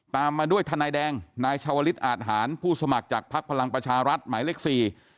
มาด้วยทนายแดงนายชาวลิศอาทหารผู้สมัครจากภักดิ์พลังประชารัฐหมายเลขสี่